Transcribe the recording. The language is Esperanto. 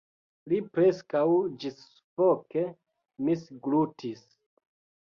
Li preskaŭ ĝissufoke misglutis.